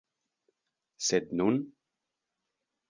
Sed nun?